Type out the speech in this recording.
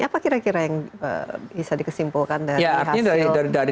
apa kira kira yang bisa dikesimpulkan dari hasil